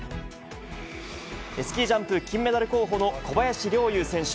スキージャンプ、金メダル候補の小林陵侑選手。